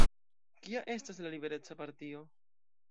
Kia estas la Libereca Partio?